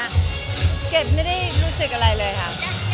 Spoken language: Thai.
ปุ่นอภารกิจกิจไม่ได้รู้สึกอะไรเลยค่ะ